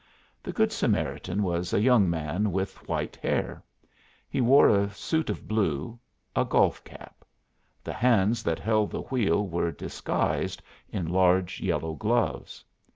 The Good Samaritan was a young man with white hair. He wore a suit of blue, a golf cap; the hands that held the wheel were disguised in large yellow gloves.